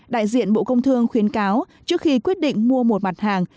đại diện bộ công thương khuyến cáo trước khi quyết định mua một mặt hàng